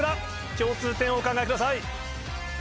共通点をお考えください。